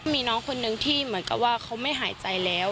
มีน้องคนนึงที่เหมือนกับว่าเขาไม่หายใจแล้ว